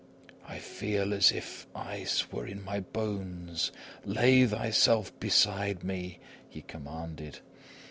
"I feel as if ice were in my bones! Lay thyself beside me!" he commanded.